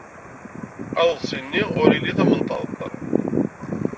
Aḍebsi-nni ur ili tamenṭaḍt.